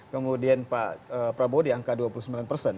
kemudian pak prabowo di angka dua puluh sembilan persen